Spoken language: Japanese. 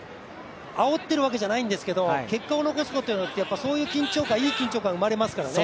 あおっているわけじゃないんですけど結果を残すことって、そういういい緊張感が生まれますから。